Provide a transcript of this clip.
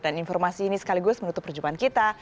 dan informasi ini sekaligus menutup perjumpaan kita